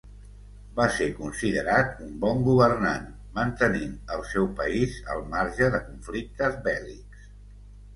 Va ser considerat un bon governant, mantenint el seu país al marge de conflictes bèl·lics.